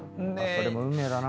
それも運命だな。